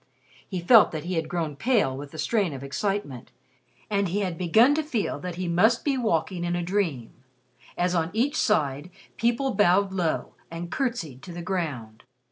He felt that he had grown pale with the strain of excitement, and he had begun to feel that he must be walking in a dream, as on each side people bowed low and curtsied to the ground.